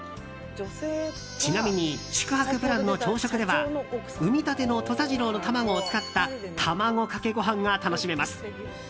ちなみに宿泊プランの朝食では産みたての土佐ジローの卵を使った卵かけご飯が楽しめます。